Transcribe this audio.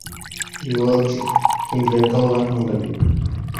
Билалчик, һин взятка алғанһыңдыр бит.